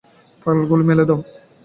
পালগুলো মেলে দাও!